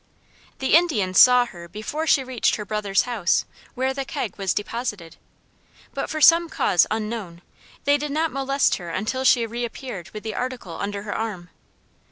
The Indians saw her before she reached her brother's house, where the keg was deposited; but for some cause unknown, they did not molest her until she reappeared with the article under her arm.